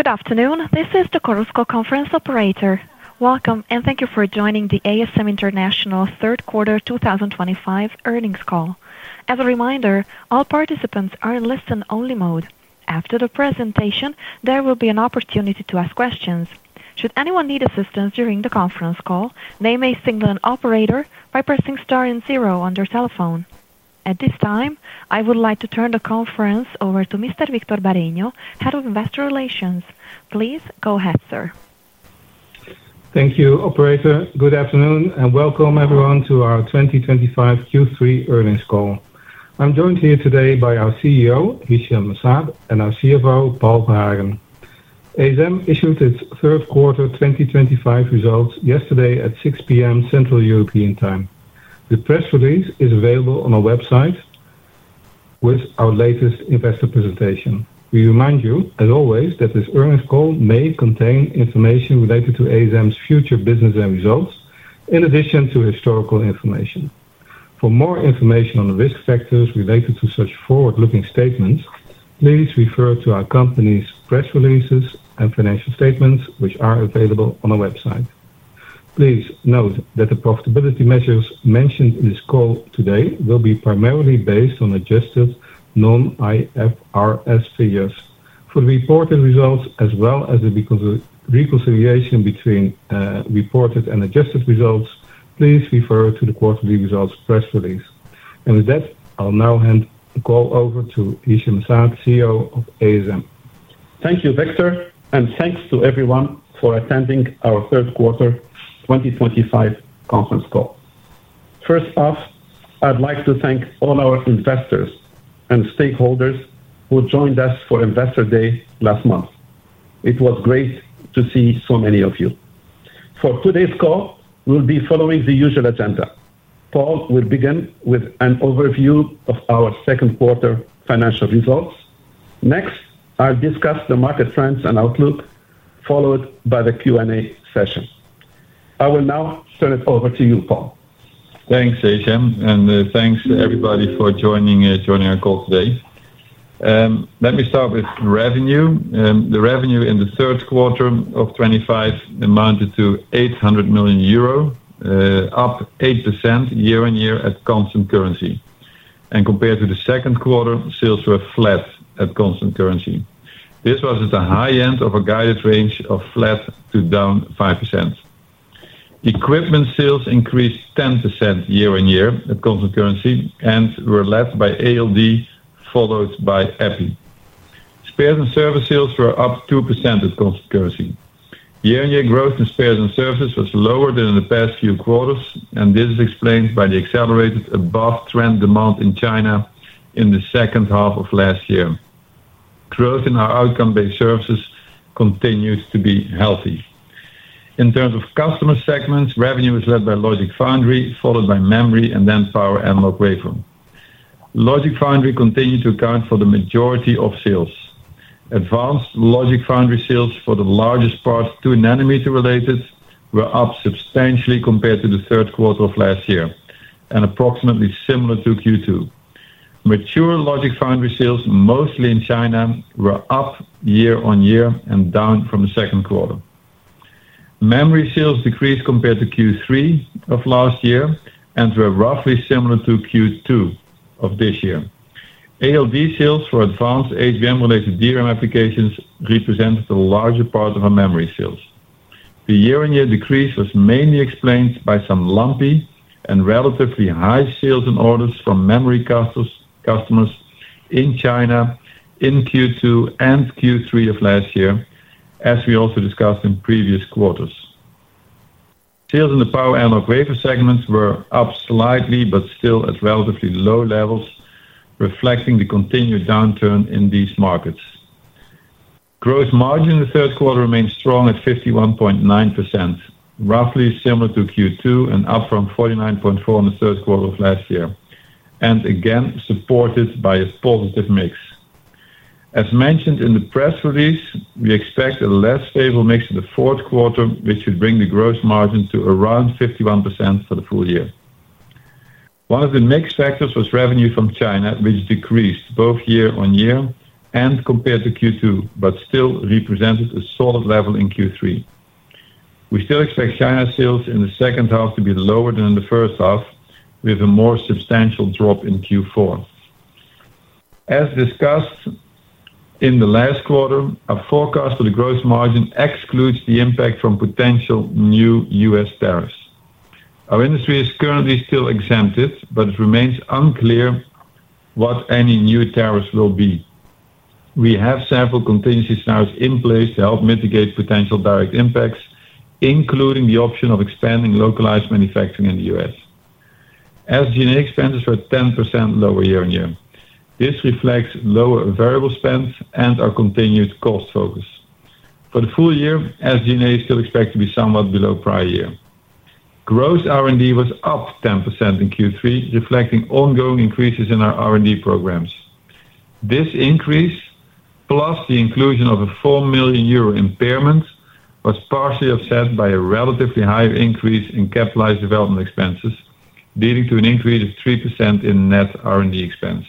Good afternoon, this is the Chorus Call conference operator. Welcome and thank you for joining the ASM International third quarter 2025 earnings call. As a reminder, all participants are in listen only mode. After the presentation, there will be an opportunity to ask questions. Should anyone need assistance during the conference call, they may signal an operator by pressing star and zero on their telephone. At this time, I would like to turn the conference over to Mr. Victor Bareño, Head of Investor Relations. Please go ahead, sir. Thank you, operator. Good afternoon and welcome everyone to our 2025 Q3 earnings call. I'm joined here today by our CEO Hichem M’Saad and our CFO Paul Verhagen. ASM issued its third quarter 2025 results yesterday at 6:00 P.M. Central European Time. The press release is available on our. Website with our latest investor presentation. We remind you, as always, that this. Earnings call may contain information related to ASM's future business and results in addition to historical information. For more information on risk factors related to such forward-looking statements, please refer. To our company's press releases and financial statements, which are available on our website. Please note that the profitability measures mentioned in this call today will be primarily based on adjusted non-IFRS figures. The reported results as well as the reconciliation between reported and adjusted results. Please refer to the quarterly results press release, and with that, I'll now hand. The call over to Hichem M’Saad, CEO of ASM. Thank you, Victor, and thanks to everyone for attending our third quarter 2025 conference call. First off, I'd like to thank all our investors and stakeholders who joined us for Investor Day last month. It was great to see so many of you. For today's call, we'll be following the usual agenda. Paul will begin with an overview of our second quarter financial results. Next, I'll discuss the market trends and outlook, followed by the Q&A session. I will now turn it over to you, Paul. Thanks, Hichem, and thanks, everybody, for joining our call today. Let me start with revenue. The revenue in the third quarter of 2025 amounted to 800 million euro, up 8% year on year at constant currency. Compared to the second quarter, sales were flat at constant currency. This was at the high end of a guided range of flat to down 5%. Equipment sales increased 10% year on year at constant currency and were led by ALD, followed by Epi. Spares and services sales were up 2% at constant currency year on year. Growth in spares and services was lower than in the past few quarters, and this is explained by the accelerated above-trend demand in China in the second half of last year. Growth in our outcome-based services continues to be healthy. In terms of customer segments, revenue is led by logic/foundry, followed by memory and then power/analog/wafer. Logic/foundry continued to account for the majority of sales. Advanced logic/foundry sales, for the largest part 2 nm related, were up substantially compared to the third quarter of last year and approximately similar to Q2. Mature logic/foundry sales, mostly in China, were up year on year and down from the second quarter. Memory sales decreased compared to Q3 of last year and were roughly similar to Q2 of this year. ALD sales for advanced HBM-related DRAM applications represented a larger part of our memory sales. The year on year decrease was mainly explained by some lumpy and relatively high sales and orders from memory customers in China in Q2 and Q3 of last year. As we also discussed in previous quarters, sales in the power/analog/wafer segments were up slightly but still at relatively low levels, reflecting the continued downturn in these markets. Gross margin in the third quarter remains strong at 51.9%, roughly similar to Q2 and up from 49.4% in the third quarter of last year, and again supported by a positive mix. As mentioned in the press release, we expect a less favorable mix in the fourth quarter, which should bring the gross margin to around 51% for the full year. One of the mix factors was revenue from China, which decreased both year on year and compared to Q2, but still represented a solid level in Q3. We still expect China sales in the second half to be lower than the first half, with a more substantial drop in Q4. As discussed in the last quarter, our forecast for the gross margin excludes the impact from potential new U.S. tariffs. Our industry is currently still exempted, but it remains unclear what any new tariffs will be. We have several contingency standards in place to help mitigate potential direct impacts, including the option of expanding localized manufacturing in the U.S. SG&A expenses were 10% lower year on year. This reflects lower variable spend and our continued cost focus for the full year. SG&A is still expected to be somewhat below prior year. Gross R&D was up 10% in Q3, reflecting ongoing increases in our R&D programs. This increase plus the inclusion of a 4 million euro impairment was partially offset by a relatively higher increase in capitalized development expenses, leading to an increase of 3% in net R&D expense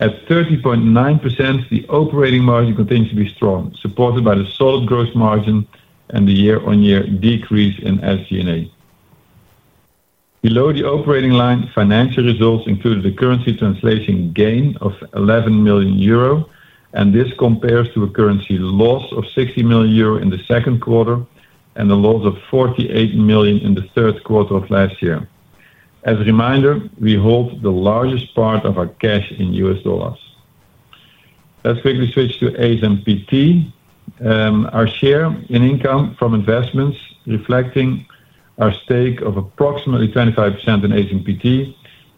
at 30.9%. The operating margin continues to be strong, supported by the solid gross margin and the year on year decrease in SG&A below the operating line. Financial results included a currency translation gain of 11 million euro, and this compares to a currency loss of 60 million euro in the second quarter and the loss of 48 million in the third quarter of last year. As a reminder, we hold the largest part of our cash in U.S. dollars. Let's quickly switch to ASMPT. Our share in income from investments, reflecting our stake of approximately 25% in ASMPT,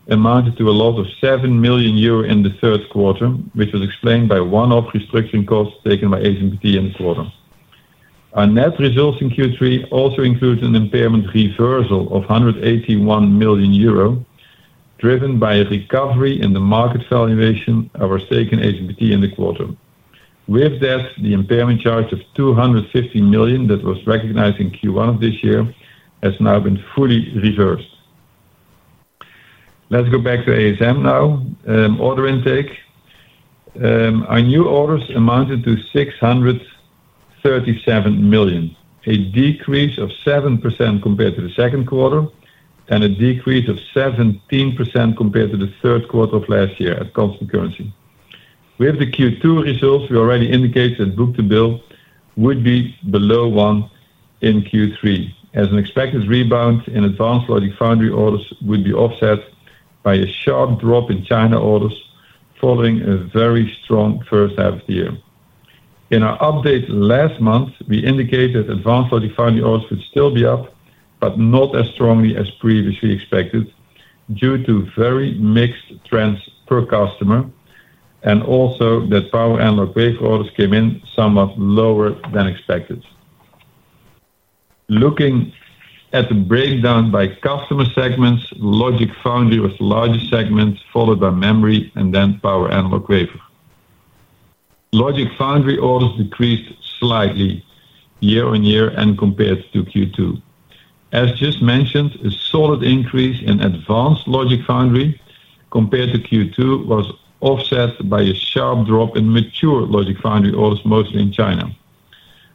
amounted to a loss of 7 million euro in the third quarter, which was explained by one-off restriction costs taken by ASMPT in the quarter. Our net results in Q3 also include an impairment reversal of 181 million euro driven by a recovery in the market valuation of our stake in ASMPT in the quarter. With that, the impairment charge of 250 million that was recognized in Q1 of this year has now been fully reversed. Let's go back to ASM now. Order intake: our new orders amounted to 637 million, a decrease of 7% compared to the second quarter and a decrease of 17% compared to the third quarter of last year at constant currency. We have the Q2 results we already indicated. Book to bill would be below 1x in Q3 as an expected rebound in advanced logic/foundry orders would be offset by a sharp drop in China orders following a very strong first half of the year. In our update last month, we indicated advanced logic/foundry orders would still be up but not as strongly as previously expected due to very mixed trends per customer, and also that power/analog/wafer orders came in somewhat lower than expected. Looking at the breakdown by customer segments, logic/foundry was the larger segment followed by memory and then power/analog/wafer. Logic/foundry orders decreased slightly year on year and compared to Q2. As just mentioned, a solid increase in advanced logic/foundry compared to Q2 was offset by a sharp drop in mature logic/foundry orders, mostly in China.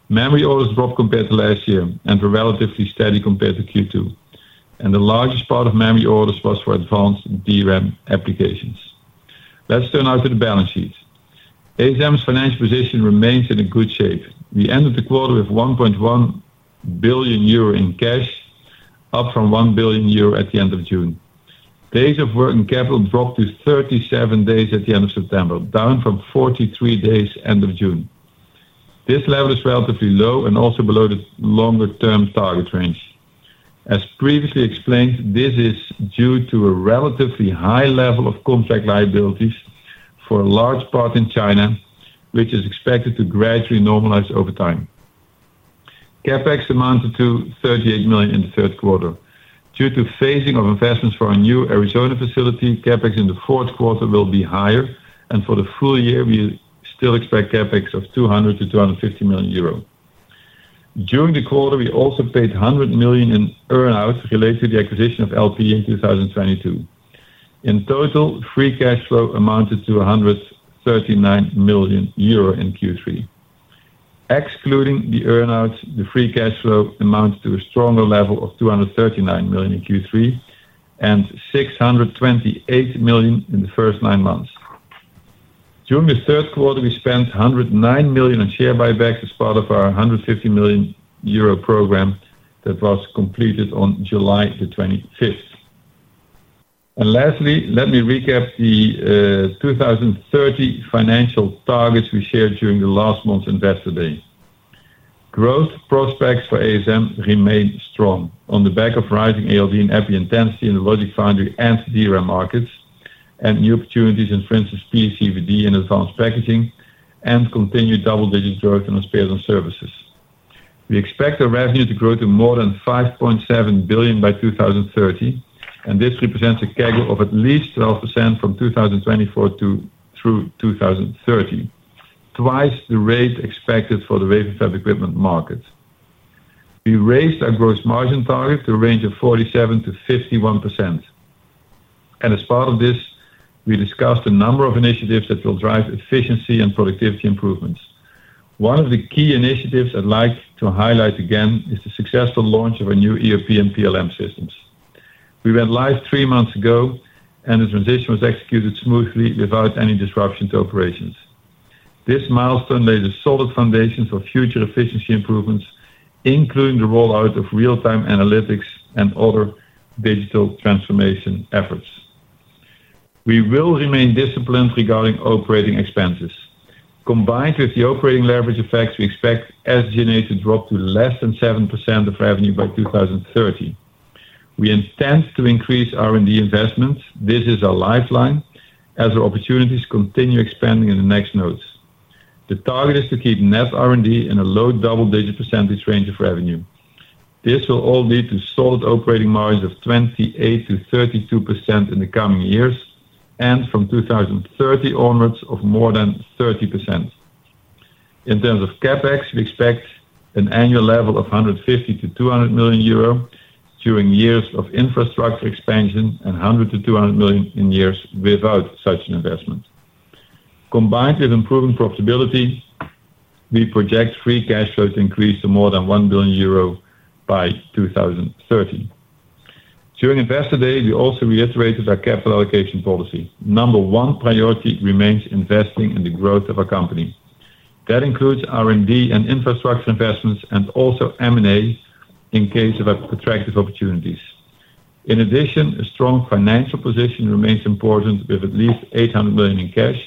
Memory orders dropped compared to last year and were relatively steady compared to Q2, and the largest part of memory orders was for advanced DRAM applications. Let's turn now to the balance sheet. ASM's financial position remains in good shape. We ended the quarter with 1.1 billion euro in cash, up from 1 billion euro at the end of June. Days of working capital dropped to 37 days at the end of September, down from 43 days at the end of June. This level is relatively low and also below the longer-term target range. As previously explained, this is due to a relatively high level of contract liabilities for a large part in China, which is expected to gradually normalize over time. CapEx amounted to 38 million in the third quarter due to phasing of investments for our new Arizona facility. CapEx in the fourth quarter will be higher, and for the full year we still expect CapEx of 200 million-250 million euro. During the quarter, we also paid 100 million in earnouts related to the acquisition of LPE in 2022. In total, free cash flow amounted to 139 million euro in Q3. Excluding the earnouts, the free cash flow amounts to a stronger level of 239 million in Q3 and 628 million in the first nine months. During the third quarter, we spent 109 million on share buybacks as part of our 150 million euro program that was completed on July 25th. Lastly, let me recap the 2030 financial targets we shared during last month's Investor Day. Growth prospects for ASM remain strong on the back of rising ALD and Epi intensity in the logic/foundry and DRAM markets, new opportunities in France's PECVD, and advanced packaging, and continued double-digit growth in spares and services. We expect our revenue to grow to more than 5.7 billion by 2030, and this represents a CAGR of at least 12% from 2024 through 2030, twice the rate expected for the WFE equipment market. We raised our gross margin target to a range of 47%-51%, and as part of this, we discussed a number of initiatives that will drive efficiency and productivity improvements. One of the key initiatives I'd like to highlight again is the successful launch of our new ERP and PLM systems. We went live three months ago, and the transition was executed smoothly without any disruption to operations. This milestone lays a solid foundation for future efficiency improvements, including the rollout of real-time analytics and other digital transformation efforts. We will remain disciplined regarding operating expenses. Combined with the operating leverage effects, we expect SG&A to drop to less than 7% of revenue by 2030. We intend to increase R&D investment. This is our lifeline as our opportunities continue expanding in the next nodes. The target is to keep net R&D in a low double-digit percentage range of revenue. This will all lead to solid operating margins of 28%-32% in the coming years and from 2030 onwards of more than 30%. In terms of CapEx, we expect an annual level of 150 million-200 million euro during years of infrastructure expansion and 100 million-200 million in years without such an investment. Combined with improving profitability, we project free cash flow to increase to more than 1 billion euro by 2030. During Investor Day, we also reiterated our capital allocation policy. Number one priority remains investing in the growth of our company. That includes R&D and infrastructure investments and also M&A in case of attractive opportunities. In addition, a strong financial position remains important with at least 800 million in cash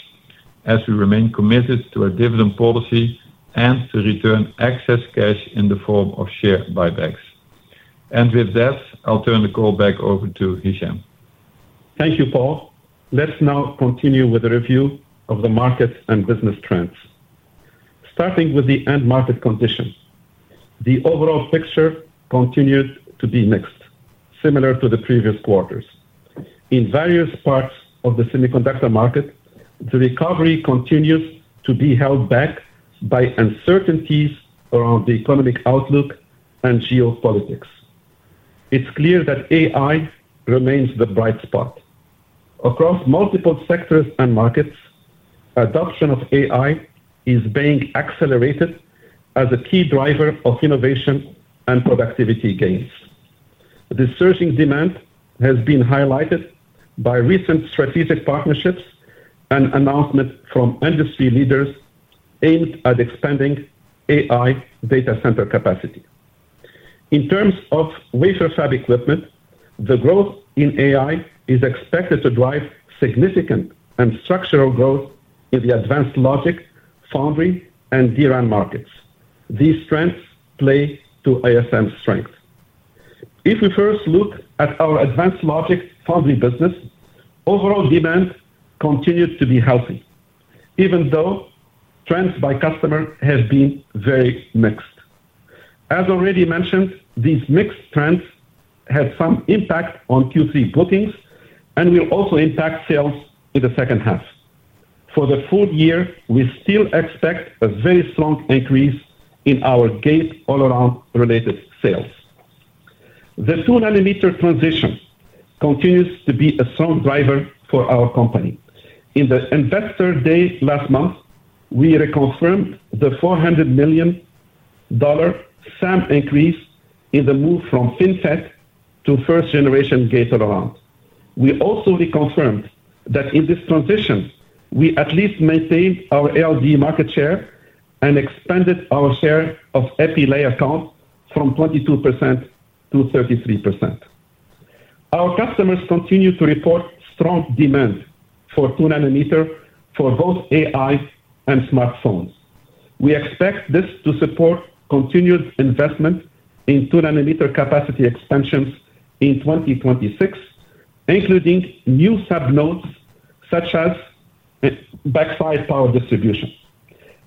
as we remain committed to our dividend policy and to return excess cash in the form of share buybacks. With that, I'll turn the call back over to Hichem. Thank you, Paul. Let's now continue with a review of the market and business trends, starting with the end market conditions. The overall picture continued to be mixed, similar to the previous quarters, in various parts of the semiconductor market. The recovery continues to be held back by uncertainties around the economic outlook and geopolitics. It's clear that AI remains the bright spot across multiple sectors and markets. Adoption of AI is being accelerated as a key driver of innovation and productivity gains. This surging demand has been highlighted by recent strategic partnerships and announcements from industry leaders aimed at expanding AI data center capacity. In terms of wafer fab equipment, the growth in AI is expected to drive significant and structural growth in the advanced logic/foundry and DRAM markets. These strengths play to ASM's strength. If we first look at our advanced logic/foundry business, overall demand continues to be healthy even though trends by customer have been very mixed. As already mentioned, these mixed trends had some impact on Q3 bookings and will also impact sales in the second half. For the full year, we still expect a very strong increase in our gate-all-around related sales. The 2 nm transition continues to be a strong driver for our company. In the Investor Day last month, we reconfirmed the $400 million SAM increase in the move from FinFET to first generation gate-all-around. We also reconfirmed that in this transition we at least maintained our ALD market share and expanded our share of Epi layer account from 22% to 33%. Our customers continue to report strong demand for 2 nm for both AI and smartphones. We expect this to support continued investment in 2 nm capacity expansions in 2026, including new sub-nodes such as backside power distribution.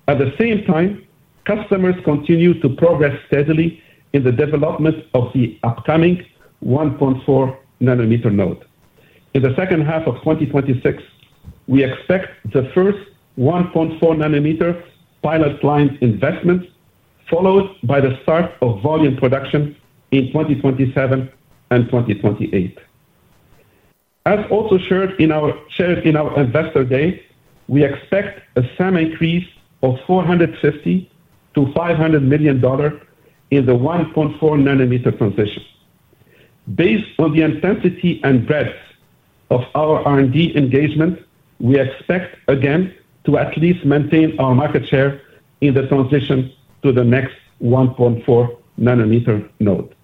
At the same time, customers continue to progress steadily in the development of the upcoming 1.4 nm node. In the second half of 2026, we expect the first 1.4 nm pilot line investment, followed by the start of volume production in 2027 and 2028. As also shared in our Investor Day, we expect a SAM increase of $450 million to $500 million in the 1.4 nm transition. Based on the intensity and breadth of our R&D engagement, we expect again to at least maintain our market share in the transition to the next 1.4 nm node.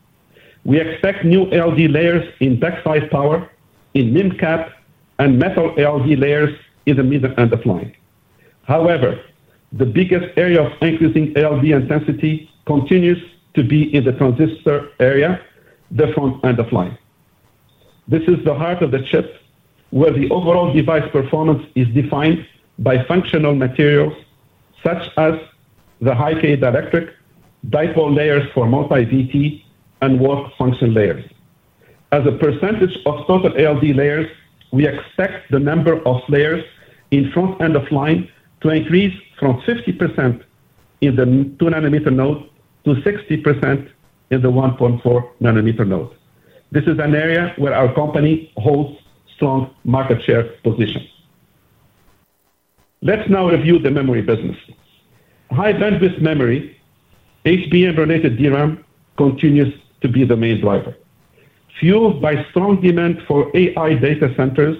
We expect new ALD layers in backside power, in MIMCAP, and metal ALD layers in the middle end of line. However, the biggest area of increasing ALD intensity continues to be in the transistor area, the front end of line. This is the heart of the chip where the overall device performance is defined by functional materials such as the high-κ dielectric dipole layers for multi VT and work function layers. As a percentage of total ALD layers, we expect the number of layers in front end of line to increase from 50% in the 2 nm node to 60% in the 1.4 nm node. This is an area where our company holds strong market share position. Let's now review the memory business. High Bandwidth Memory (HBM) related DRAM continues to be the main driver. Fueled by strong demand for AI data centers,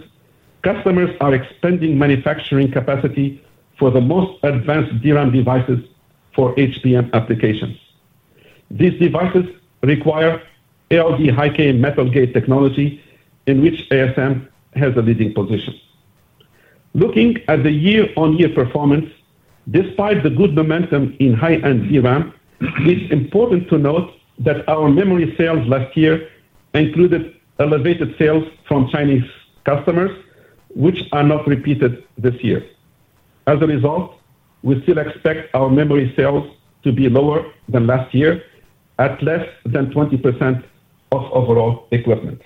customers are expanding manufacturing capacity for the most advanced DRAM devices for HBM applications. These devices require ALD high-κ metal gate technology in which ASM has a leading position. Looking at the year-on-year performance, despite the good momentum in high end DRAM, it's important to note that our memory sales last year included elevated sales from Chinese customers which are not repeated this year. As a result, we still expect our memory sales to be lower than last year at less than 20% of overall equipment.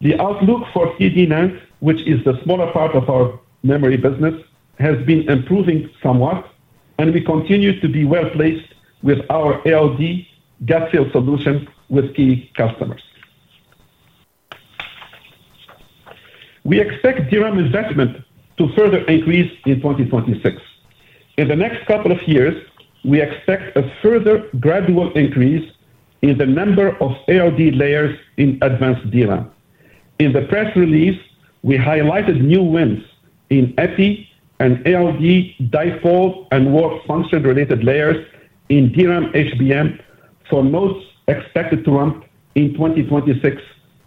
The outlook for 3D NAND, which is the smaller part of our memory business, has been improving somewhat and we continue to be well placed with our ALD gap-fill solution with key customers. We expect DRAM investment to further increase in 2026. In the next couple of years, we expect a further gradual increase in the number of ALD layers in advanced DRAM. In the press release, we highlighted new wins in Epi and ALD, dipole and work function related layers in DRAM HBM, for most expected to ramp in 2026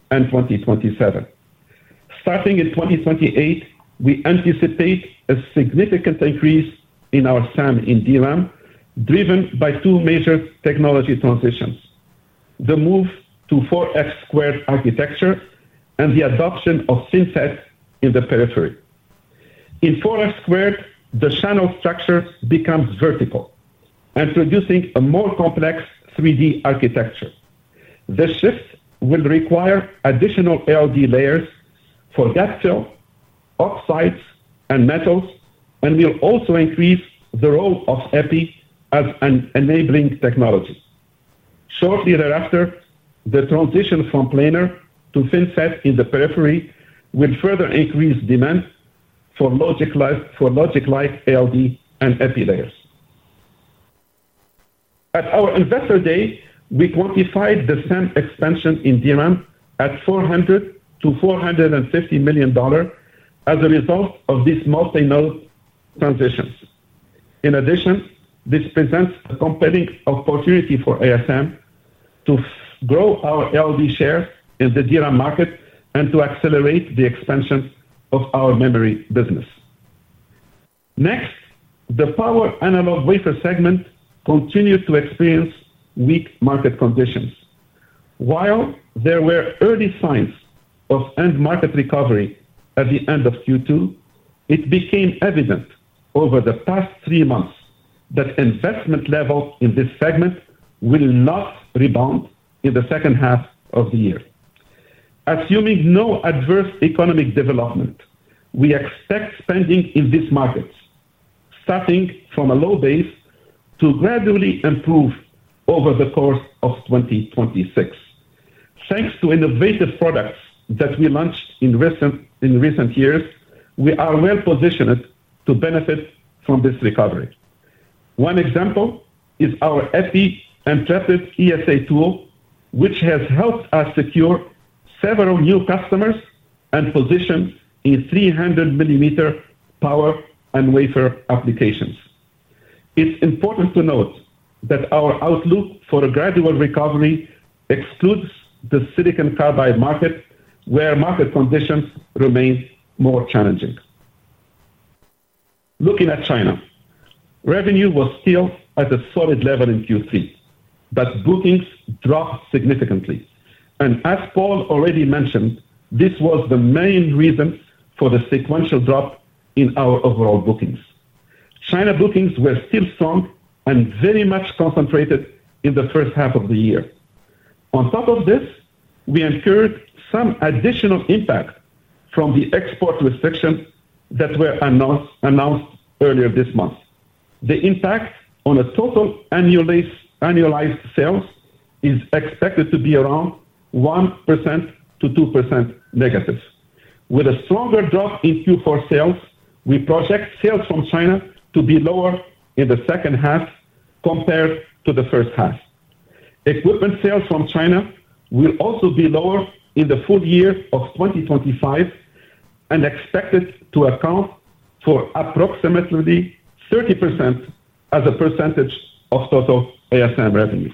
and 2027. Starting in 2028, we anticipate a significant increase in our SAM in DRAM driven by two major technology transitions, the move to 4F^2 architecture and the adoption of FinFET in the periphery. In 4F^2, the channel structures become vertical, introducing a more complex 3D architecture. This shift will require additional ALD layers for gap-fill oxides and metals and will also increase the role of Epi as an enabling technology. Shortly thereafter, the transition from planar to FinFET in the periphery will further increase demand for logic-like ALD and Epi layers. At our Investor Day, we quantified the FEM expansion in DRAM at $400 million to $450 million as a result of this multi-node transition. In addition, this presents a compelling opportunity for ASM to grow our ALD shares in the DRAM market and to accelerate the expansion of our memory business. Next, the power/analog/wafer segment continued to experience weak market conditions. While there were early signs of end market recovery at the end of Q2, it became evident over the past three months that investment level in this segment will not rebound in the second half of the year. Assuming no adverse economic development, we expect spending in these markets starting from a low base to gradually improve over the course of 2026. Thanks to innovative products that we launched in recent years, we are well positioned to benefit from this recovery. One example is our Epi Intrepid ESA tool, which has helped us secure several new customers and positions in 300 mm power and wafer applications. It's important to note that our outlook for a gradual recovery excludes the silicon carbide market where market conditions remain more challenging. Looking at China, revenue was still at a solid level in Q3, but bookings dropped significantly and as Paul already mentioned, this was the main reason for the sequential drop in our overall bookings. China bookings were still strong and very much concentrated in the first half of the year. On top of this, we incurred some additional impact from the export restrictions that were announced earlier this month. The impact on total annualized sales is expected to be around 1%-2% negative with a stronger drop in Q4 sales. We project sales from China to be lower in the second half compared to the first half. Equipment sales from China will also be lower in the full year of 2025 and expected to account for approximately 30% as a percentage of total ASM revenue.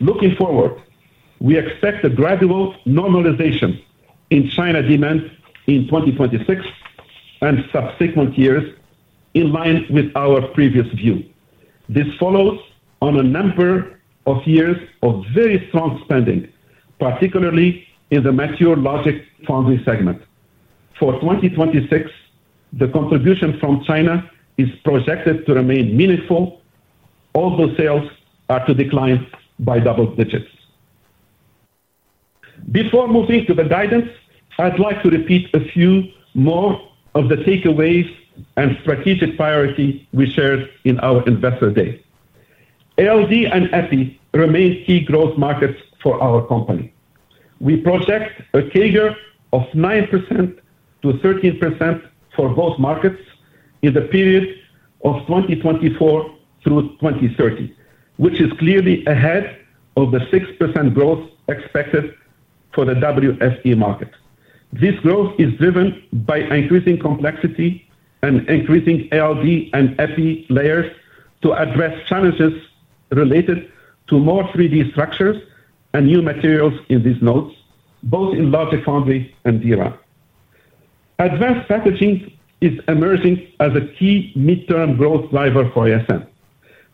Looking forward, we expect a gradual normalization in China demand in 2026 and subsequent years. In line with our previous view, this follows on a number of years of very strong spending, particularly in the mature logic/foundry segment. For 2026, the contribution from China is projected to remain meaningful, although sales are to decline by double digits. Before moving to the guidance, I'd like to repeat a few more of the takeaways and strategic priority we shared in our Investor Day. ALD and Epi remain key growth markets for our company. We project a CAGR of 9%-13% for both markets in the period of 2024 through 2030, which is clearly ahead of the 6% growth expected for the WFE market. This growth is driven by increasing complexity and increasing ALD and FE layers to address challenges related to more 3D structures and new materials in these nodes, both in larger foundry and DRAM. Advanced packaging is emerging as a key midterm growth driver for ASM,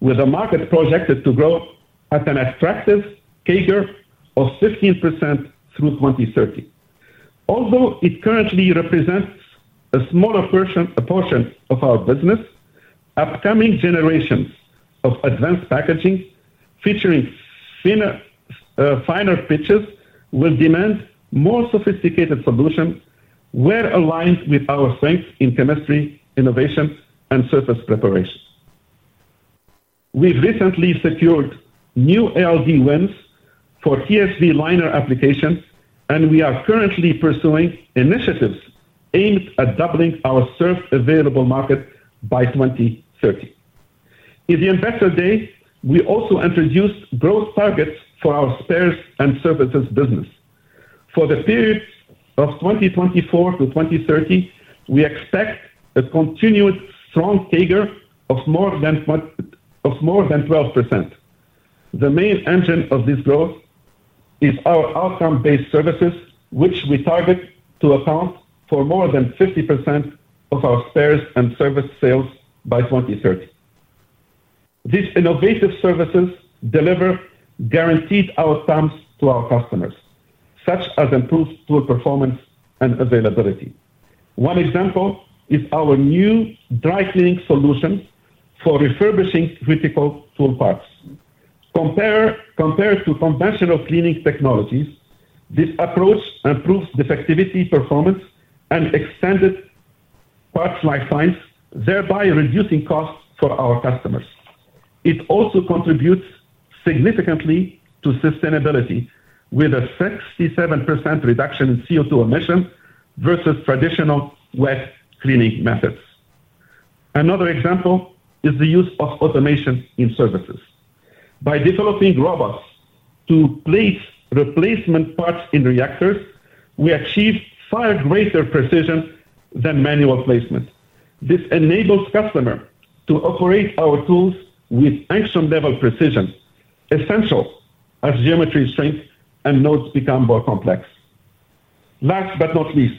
with a market projected to grow at an attractive CAGR of 15% through 2030. Although it currently represents a smaller portion of our business, upcoming generations of advanced packaging featuring finer pitches will demand more sophisticated solutions well aligned with our strength in chemistry, innovation, and surface preparation. We've recently secured new ALD wins for TSV liner applications and we are currently pursuing initiatives aimed at doubling our served available market by 2030. In the Investor Day, we also introduced growth targets for our spares and services business. For the periods of 2024 to 2030, we expect a continued strong CAGR of more than 12%. The main engine of this growth is our outcome-based services, which we target to account for more than 50% of our spares and services sales by 2030. These innovative services deliver guaranteed outcomes to our customers such as improved tool performance and availability. One example is our new dry cleaning solution for refurbishing critical tool parts. Compared to conventional cleaning technologies, this approach improves defectivity performance and extends parts lifetimes, thereby reducing costs for our customers. It also contributes significantly to sustainability with a 67% reduction in CO2 emission versus traditional wet cleaning methods. Another example is the use of automation in services. By developing robots to place replacement parts in reactors, we achieved far greater precision than manual placement. This enables customers to operate our tools with action level precision, essential as geometry shrinks and nodes become more complex. Last but not least,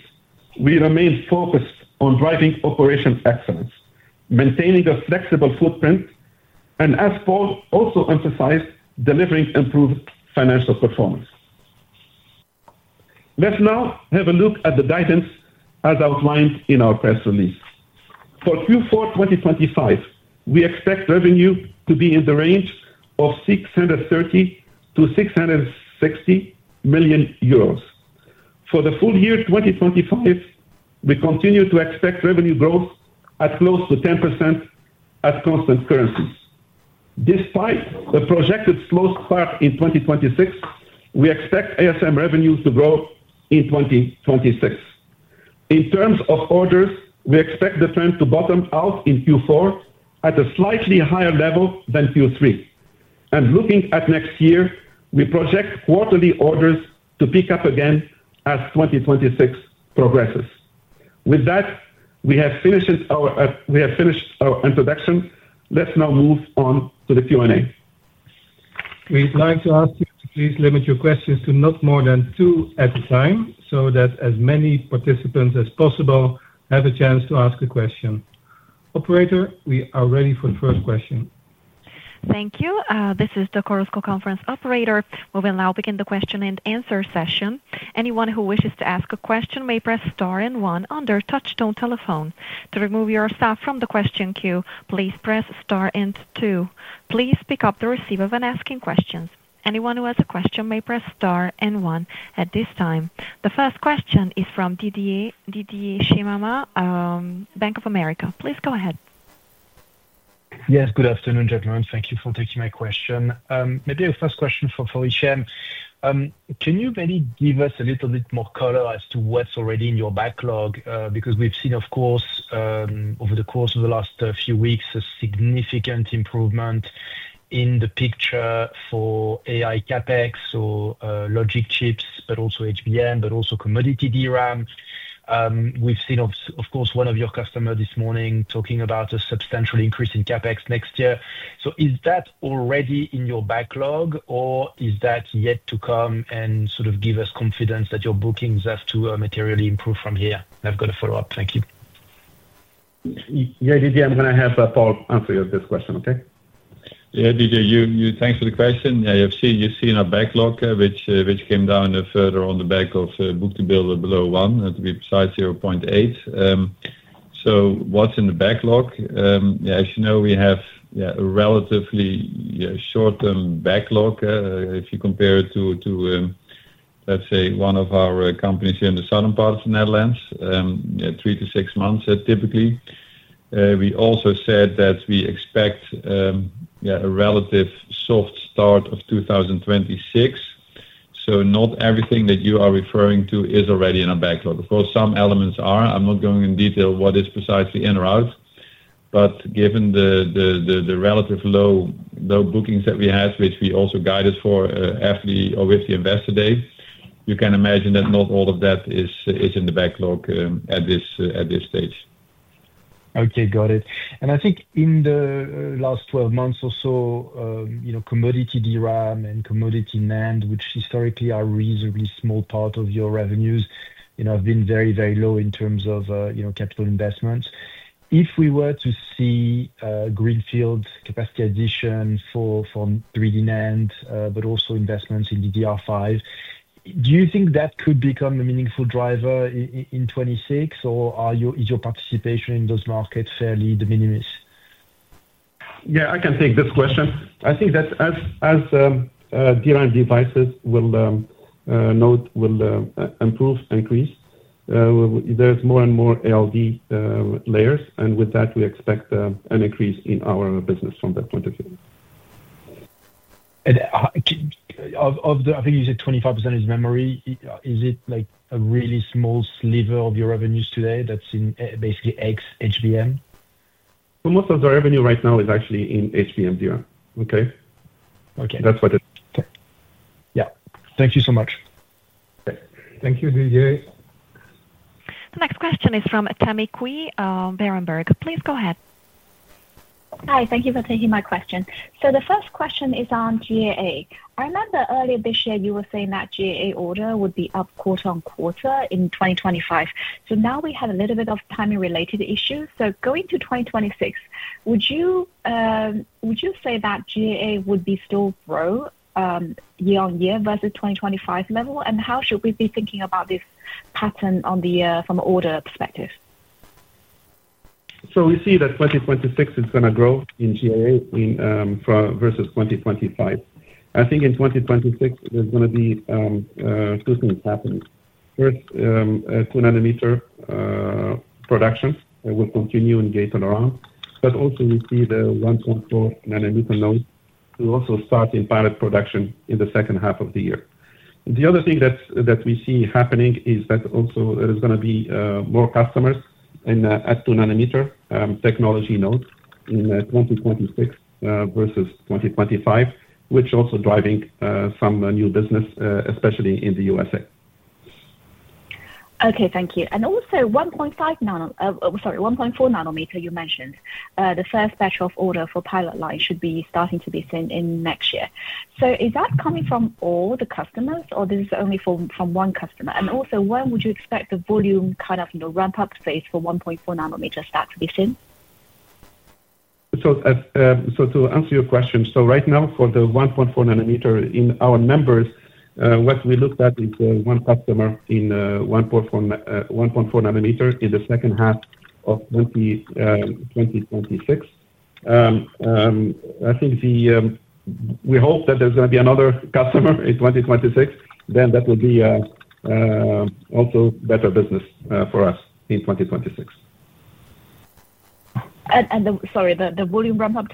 we remain focused on driving operational excellence, maintaining a flexible footprint, and as Paul also emphasized, delivering improved financial performance. Let's now have a look at the guidance as outlined in our press release. For Q4 2025, we expect revenue to be in the range of 630 million-660 million euros. For the full year 2025, we continue to expect revenue growth at close to 10% at constant currencies despite the projected slow start in 2026. We expect ASM revenues to grow in 2026. In terms of orders, we expect the trend to bottom out in Q4 at a slightly higher level than Q3, and looking at next year, we project quarterly orders to pick up again as 2026 progresses. With that, we have finished our introduction. Let's now move on to the Q and A. We'd like to ask you to please. Limit your questions to not more than two at a time, so that as many participants as possible have a chance. To ask a question. Operator, we are ready for the first question. Thank you. This is the Chorus Call conference. Operator, we will now begin the question and answer session. Anyone who wishes to ask a question may press star and one on their touch tone telephone. To remove yourself from the question queue, please press star and two. Please pick up the receiver when asking questions. Anyone who has a question may press star and one at this time. The first question is from Didier Scemama, Bank of America. Please go ahead. Yes, good afternoon gentlemen. Thank you for taking my question. Maybe a first question for Hichem. Can you maybe give us a little bit more color as to what's already in your backlog? Because we've seen over the course of the last few weeks a significant improvement in the picture for CapEx for logic chips, but also HBM, but also commodity DRAM. We've seen one of your customers this morning talking about a substantial increase in CapEx next year. Is that already in your backlog or is that yet to come and does that give us confidence that your book is to materially improve from here? I've got a follow up. Thank you. Didier. I'm going to have Paul answer this question. Okay? Yeah, Didier, thanks for the question. You've seen a backlog which came down further on the back of book to bill below 1x, size 0.8x. What's in the backlog? As you know, we have a relatively short-term backlog. If you compare it to, say, one of our companies here in the southern part of the Netherlands, three to six months typically. We also said that we expect a relatively soft start of 2026. Not everything that you are referring to is already in a backlog. Of course, some elements are. I'm not going in detail what is precisely in or out, but given the relatively low bookings that we had, which we also guided for after with the Investor Day, you can imagine that not all of that is in the backlog at this stage. Okay, got it. I think in the last 12 months or so, commodity DRAM and commodity NAND, which historically are a reasonably small part of your revenues, have been very, very low in terms of capital investments. If we were to see greenfield capacity addition for 3D NAND, but also investments in DDR5, do you think that could become a meaningful driver in 2026 or is your participation in those markets fairly de minimis? Yeah, I can take this question. I think that as DRAM devices will improve, increase, there's more and more ALD layers and with that we expect an increase in our business from that point of view. I think you said 25% is memory. Is it like a really small sliver of your revenues today that's in basically ex-HBM? Most of the revenue right now is actually in HBM DRAM. Okay. Okay. That's what it is. Yeah. Thank you so much. Thank you, Didier. The next question is from Tammy Qiu, Berenberg. Please go ahead. Hi, thank you for taking my question. The first question is on GAA. I remember earlier this year you were saying that GAA order would be up quarter on quarter in 2025. Now we have a little bit of timing-related issues. Going to 2026, would you say that GAA would be still growing year on year versus 2025 level? How should we be thinking about this pattern from an order perspective? We see that 2026 is going to grow in GAA versus 2025. I think in 2026 there's going to be two things happening. First, 2 nm production will continue in gate-all-around. We also see the 1.4 nm node starting pilot production in the second half of the year. The other thing that we see happening is that there is going to be more customers at 2 nm technology nodes in 2026 versus 2025, which is also driving some new business, especially in the U.S. Okay, thank you. Also, 1.5 nm—sorry, 1.4 nm. You mentioned the first batch of order for pilot line should be starting to be seen in. Is that coming from all the customers or is this only from one customer? When would you expect the volume kind of ramp-up phase for 1.4nm that produce in? To answer your question, right now for the 1.4 nm in our numbers, what we looked at is one customer in 1.4 nm in the second half of 2026. We hope that there's going to be another customer in 2026. That will be also better business for us in 2026. Sorry, the volume ramp-up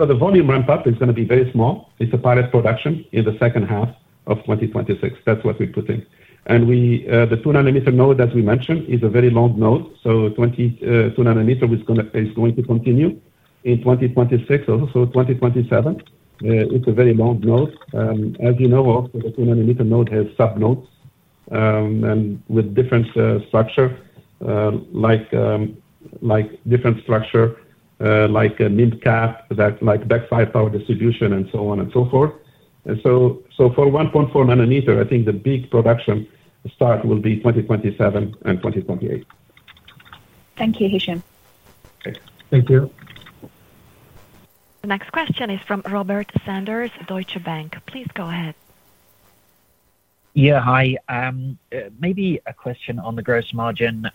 time frame. The volume ramp up is going to be very small. It's a pilot production in the second half of 2026. That's what we put in. The 2 nm node, as we mentioned, is a very long node. 2 nm is going to continue in 2026, also 2027. It's a very long node. As you know, the 2 nm node has sub nodes with different structure, like different structure, like MIMCAP, like backside power distribution, and so on and so forth. For 1.4 nm, I think the big production, the start will be 2027 and 2028. Thank you, Hichem. Thank you. The next question is from Robert Sanders, Deutsche Bank. Please go ahead. Yeah, hi. Maybe a question on the gross margin.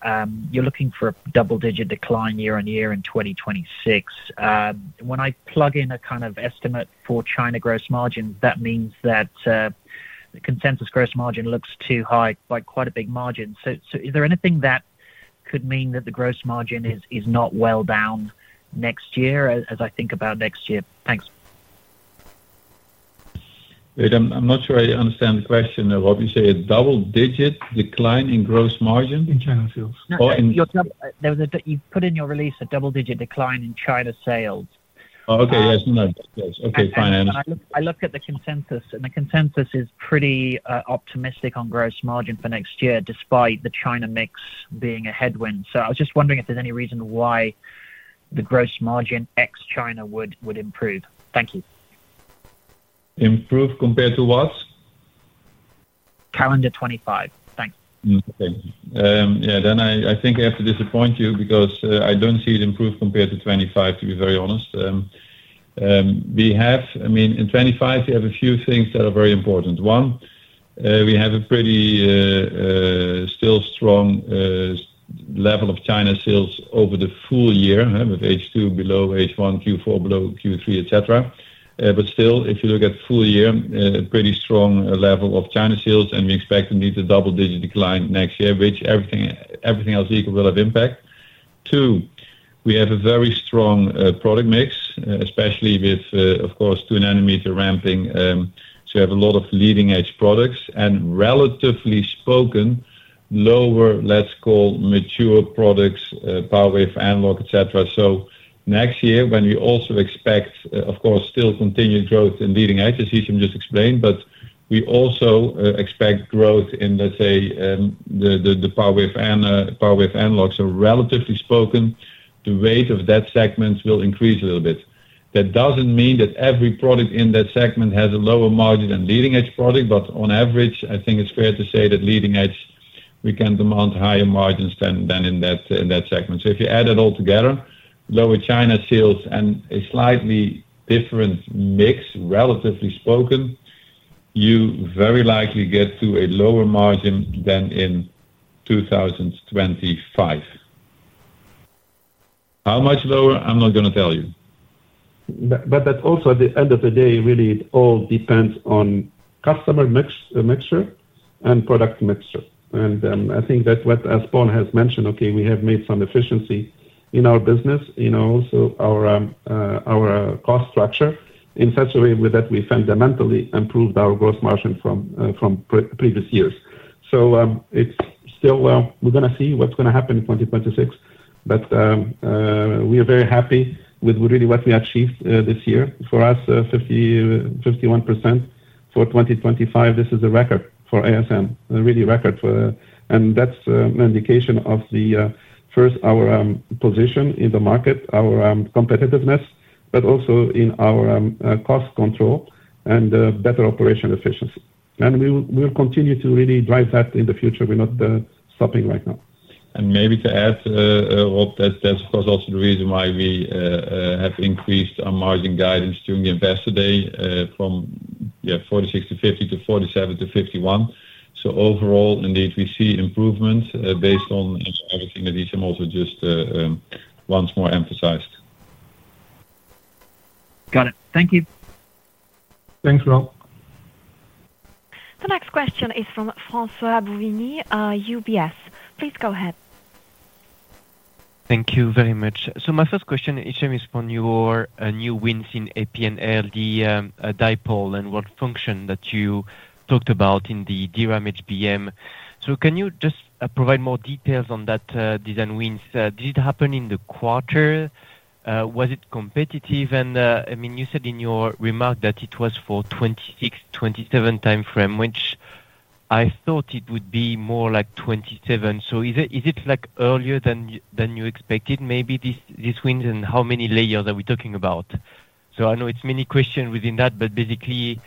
You're looking for a double digit decline year on year in 2026. When I plug in a kind of estimate for China gross margin, that means that the consensus gross margin looks too high by quite a big margin. Is there anything that could mean that the gross margin is not well down next year? As I think about next year. Thanks. I'm not sure I understand the question, Rob. You say a double-digit decline in gross margin. In China. You put in your release a double-digit decline in China sales. Okay. Yes, okay, fine. I look at the consensus and the consensus is pretty optimistic on gross margin for next year despite the China mix being a headwind. I was just wondering if there's any reason why the gross margin ex China would improve. Thank you. Improve compared to what? Calendar 2025. Thanks. I think I have to disappoint you because I don't see it improve compared to 2025, to be very honest. In 2025 we have a few things that are very important. One, we have a pretty still strong level of China sales over the full year, with H2 below H1, Q4 below Q3, etc. If you look at the full year, there is still a pretty strong level of China sales, and we expect to meet a double-digit decline next year, which, everything else equal, will have impact. Two, we have a very strong product mix, especially with, of course, 2 nm ramping. You have a lot of leading edge products and, relatively speaking, lower, let's call mature products, power/analog/wafer, etc. Next year, when we also expect, of course, still continued growth in leading edges, as I just explained, we also expect growth in, let's say, the power/analog/wafer. Relatively speaking, the rate of that segment will increase a little bit. That doesn't mean that every product in that segment has a lower margin than leading edge product, but on average I think it's fair to say that leading edge we can demand higher margins than in that segment. If you add it all together, lower China sales and a slightly different mix, relatively speaking, you very likely get to a lower margin than in 2025. How much lower? I'm not going to tell you. At the end of the day, it all depends on customer mixture and product mixture. I think that, as Paul has mentioned, we have made some efficiency in our business, our cost structure in such a way that we fundamentally improved our gross margin from previous years. We're going to see what's going to happen in 2026, but we are very happy with what we achieved this year. For us. For 2025, this is a record for ASM, really record. That's an indication of first our position in the market, our competitiveness, but also in our cost control and better operation efficiency, and we will continue to really drive that in the future. We're not stopping right now. Maybe to add, Rob, that's of course also the reason why we have increased our margin guidance during the Investor Day from 46%-50% to 47%-51%. Overall, indeed we see improvements based on everything that is also just once more emphasized. Got it. Thank you. Thanks, Rob. The next question is from François Bouvignies, UBS. Please go ahead. Thank you very much. My first question, Hichem, is from your new wins in APN, ALD, dipole, and what function that you talked about in the DRAM, HBM. Can you just provide more details on that design wins? Did it happen in the quarter? Was it competitive? You said in your remark that it was for 2026, 2027 time frame, which I thought it would be more like 2027. Is it earlier than you expected, maybe, these wins, and how many layers are we talking about? I know it's many questions within that, but basically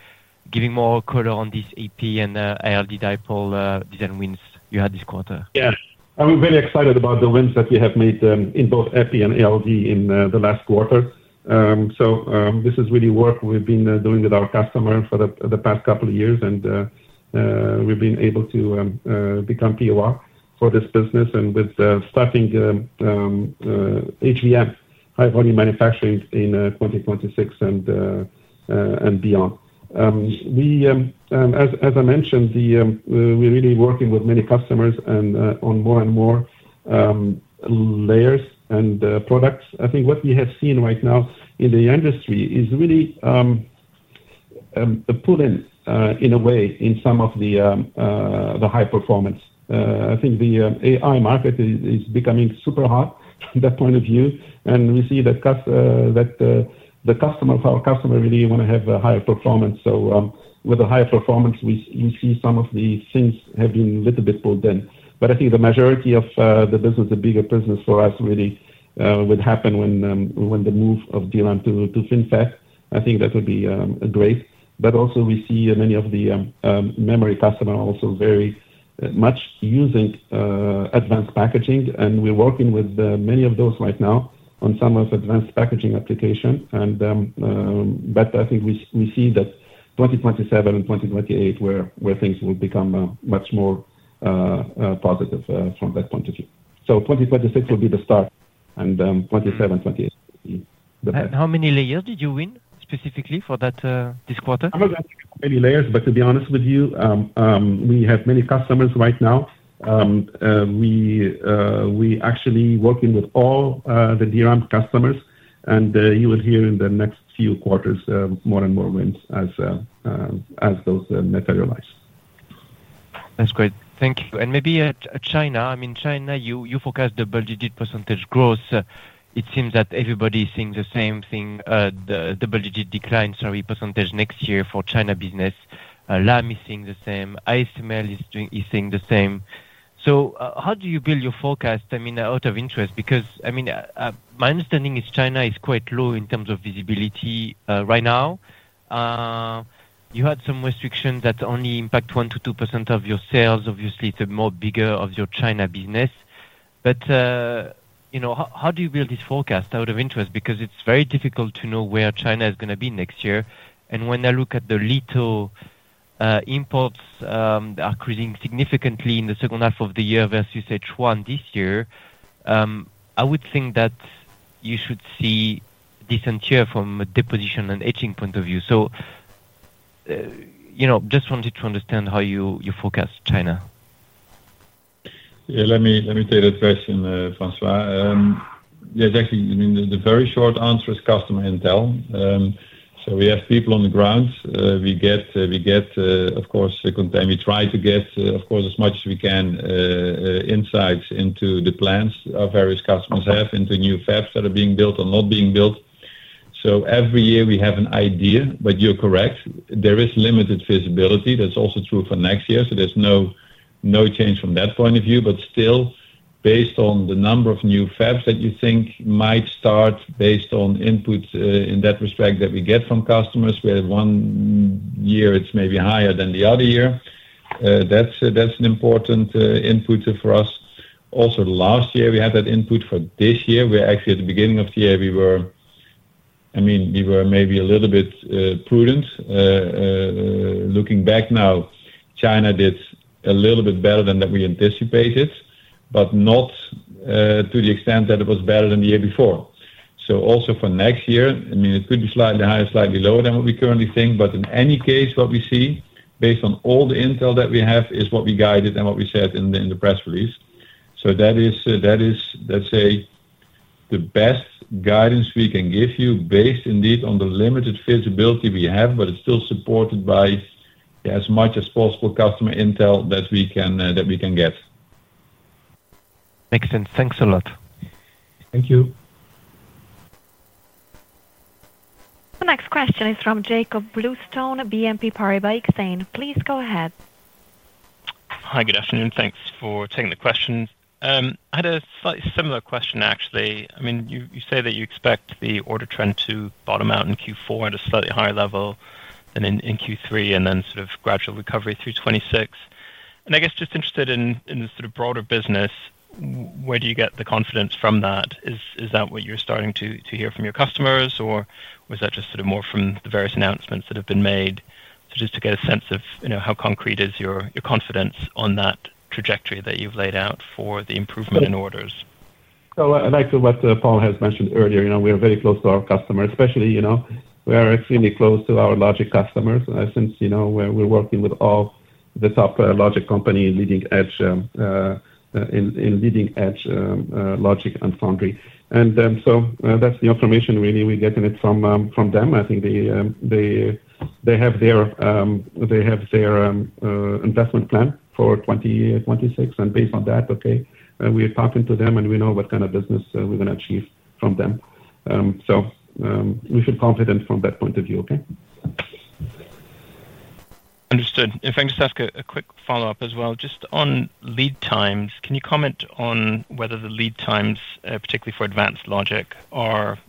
giving more color on this Epi and ALD dipole design wins you had this quarter. Yeah, I'm very excited about the wins that we have made in both Epi and ALD in the last quarter. This is really work we've been doing with our customer for the past couple of years, and we've been able to become POR for this business, and with starting HVM, high volume manufacturing, in 2026 and beyond. As I mentioned, we are really working with many customers and on more and more layers and products. I think what we have seen right now in the industry is really a pull-in, in a way, in some of the high performance. I think the market is becoming super hot from that point of view, and we see that the customer, our customer, really wants to have a higher performance. With a higher performance, we see some of the things have been a little bit pulled in. I think the majority of the business, a bigger business for us, really would happen when the move of DRAM to FinFET, I think that would be great. We see many of the memory customers also very much using advanced packaging, and we're working with many of those right now on some of advanced packaging at least. I think we see that 2027 and 2028, where things will become much more positive from that point of view. 2026 will be the start, and 2027, 2028. How many layers did you win specifically for that this quarter? Many layers. To be honest with you, we have many customers right now, we are actually working with all the DRAM customers, and you will hear in the next few quarters more and more wins as those materialize. That's great, thank you. Maybe China, I mean China, you forecast double-digit percentage growth. It seems that everybody is seeing the same thing. Double-digit decline, sorry, percentage next year for China business. Lam is seeing the same. ASML is seeing the same. How do you build your forecast? Out of interest, because my understanding is China is quite low in terms of visibility right now. You had some restrictions that only impact 1%-2% of your sales. Obviously, the more bigger of your China business. You know, how do you build this forecast out of interest? It's very difficult to know where China is going to be next year. When I look at the Litho imports are cruising significantly in the second half of the year versus H1 this year, I would think that you should see decent share from a deposition and etching point of view. You know, just wanted to understand how you forecast China. Let me take that question, François. The very short answer is customer intel. We have people on the ground. We try to get as much as we can, insights into the plans our various customers have into new fabs that are being built or not being built. Every year we have an idea. You're correct, there is limited visibility, that's also true for next year. There's no change from that point of view. Still, based on the number of new fabs that you think might start, based on input in that respect that we get from customers, we had one year it's maybe higher than the other year. That's an important input for us. Last year we had that input for this year where actually at the beginning of the year, we were maybe a little bit prudent. Looking back now, China did a little bit better than we anticipated, but not to the extent that it was better than the year before. For next year, it could be slightly higher, slightly lower than what we currently think. In any case, what we see based on all the intel that we have is what we guided and what we said in the press release. That is, let's say, the best guidance we can give you. Based indeed on the limited visibility we have. It's still supported by as much as possible customer intel that we can get. Makes sense. Thanks a lot. Thank you. The next question is from Jakob Bluestone, BNP Paribas Exane. Please go ahead. Hi, good afternoon. Thanks for taking the question. I had a slightly similar question actually. I mean, you say that you expect the order trend to bottom out in Q4 at a slightly higher level than in Q3 and then sort of gradual recovery through 2026 and I guess just interested in the sort of broader business. Where do you get the confidence from that? Is that what you're starting to hear from your customers, or was that just From the various announcements that have been made, just to get a sense of how concrete is your confidence on that trajectory that you've laid. Out for the improvement in orders? Like what Paul has mentioned earlier, we are very close to our customers, especially we are extremely close to our larger customers since we're working with all of the top logic company, Leading Edge, in Leading Edge logic and foundry. That's the information we get from them. I think they have their investment plan for 2026 and based on that, we are talking to them and we know what kind of business we're going to achieve from them. We feel confident from that point of view. Okay? Understood. If I can just ask a quick follow up as well. Just on lead times, can you comment on whether the lead times, particularly for advanced logic, are